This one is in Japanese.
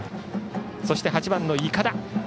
そして８番の筏。